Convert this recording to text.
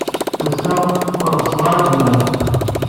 Ass-a, ur ɣseɣ ara ad mahleɣ.